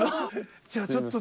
じゃあちょっと。